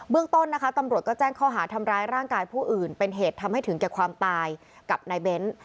ต้นนะคะตำรวจก็แจ้งข้อหาทำร้ายร่างกายผู้อื่นเป็นเหตุทำให้ถึงแก่ความตายกับนายเบ้น